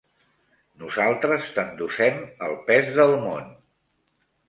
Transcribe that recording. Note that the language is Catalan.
Nosaltres t'endossem el pes del món.